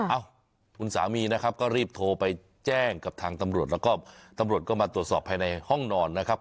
เอ้าคุณสามีนะครับก็รีบโทรไปแจ้งกับทางตำรวจแล้วก็ตำรวจก็มาตรวจสอบภายในห้องนอนนะครับ